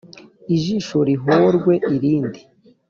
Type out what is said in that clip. ijisho rihorwe irindi,